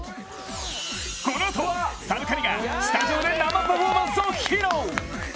このあとＳＡＲＵＫＡＮＩがスタジオで生パフォーマンスを披露。